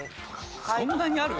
そんなにある？